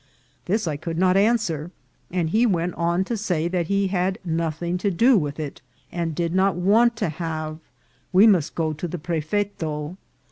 This I could not an swer ; and he went on to say that he had nothing to do with it, and did not want to have ; we must go to the prefeto.